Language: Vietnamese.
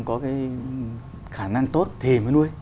có cái khả năng tốt thì mới nuôi